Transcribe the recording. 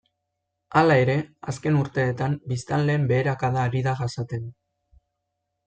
Hala ere, azken urteetan biztanleen beherakada ari da jasaten.